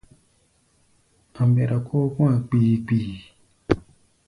A̧ mbɛra kóo kɔ̧́-a̧ kpii-kpii.